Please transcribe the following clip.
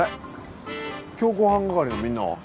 強行犯係のみんなは？